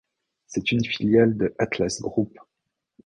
C'est une filiale de Atlas Group.